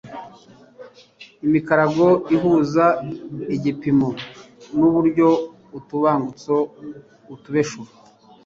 imikarago ihuza igipimo n'uburyo utubangutso (utubeshuro